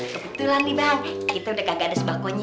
kebetulan nih bang kita udah enggak ada sparkonya